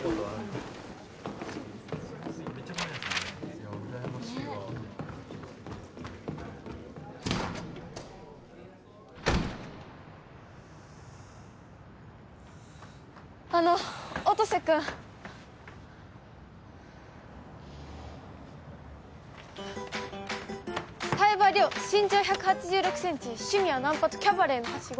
いやうらやましいわあの音瀬君冴羽身長１８６ｃｍ趣味はナンパとキャバレーのはしご